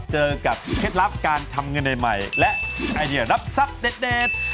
เจอกับเทลาะการทำเงินในใหม่และไอเดียรับทรัพย์เด็ดเด็ด